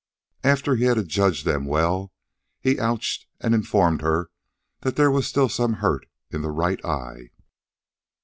After he had adjudged them well, he ouched and informed her that there was still some hurt in the right eye.